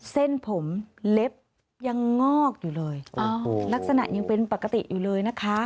เส้นผมเล็บยังงอกอยู่เลยลักษณะยังเป็นปกติอยู่เลยนะคะ